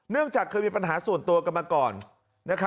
เนื่องจากคือมีปัญหาส่วนตัวกันมาก่อนนะครับ